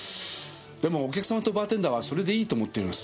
でもお客様とバーテンダーはそれでいいと思っております。